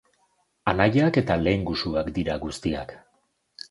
Anaiak eta lehengusuak dira guztiak.